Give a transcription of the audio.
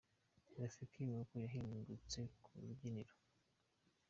Rafiki ni uku yahingutse ku rubyiniro.